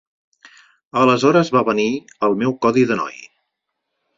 Aleshores va venir el meu codi de noi.